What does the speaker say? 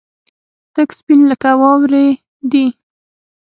تک سپين لکه واورې دي.